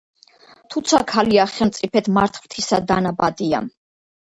თუცა ქალია, ხელმწიფედ მართ ღმრთისა დანაბადია;